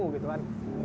jadi kita bisa beli